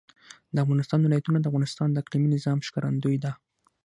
د افغانستان ولايتونه د افغانستان د اقلیمي نظام ښکارندوی ده.